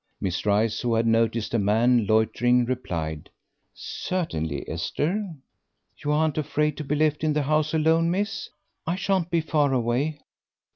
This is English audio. Miss Rice, who had noticed a man loitering, replied, "Certainly, Esther." "You aren't afraid to be left in the house alone, miss? I shan't be far away."